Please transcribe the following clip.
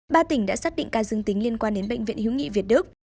ba tỉnh đã xác định ca dương tính liên quan đến bệnh viện hiếu nghị việt đức